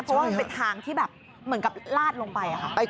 เพราะว่ามันเป็นทางที่แบบเหมือนกับลาดลงไปค่ะ